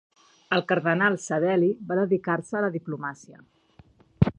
El cardenal Savelli va dedicar-se a la diplomàcia.